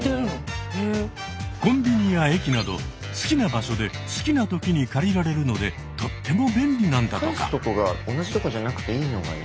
コンビニや駅など好きな場所で好きなときに借りられるのでとっても便利なんだとか。